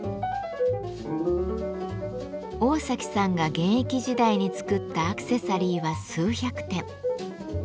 桜咲さんが現役時代に作ったアクセサリーは数百点。